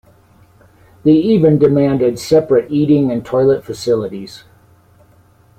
They even demanded separate eating and toilet facilities.